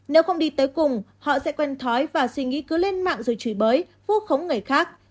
nếu không đi tới cùng họ sẽ quen thói và suy nghĩ cứ lên mạng rồi chửi bới vua khống người khác